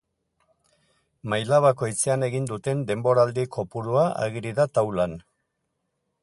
Maila bakoitzean egin duten denboraldi kopurua ageri da taulan.